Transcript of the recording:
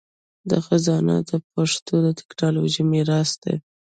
دا خزانه د پښتو د ټکنالوژۍ میراث دی.